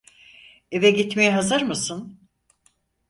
Eve gitmeye hazır mısın?